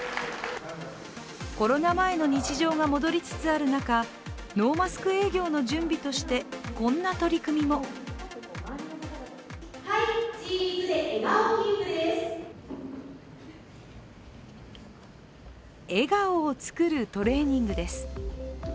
コロナ前の日常が戻りつつある中、ノーマスク営業の準備としてこんな取り組みも笑顔を作るトレーニングです。